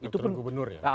tentu gubernur ya